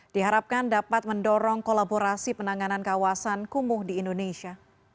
diharapkan dapat mendorong kolaborasi penanganan kawasan kumuh di indonesia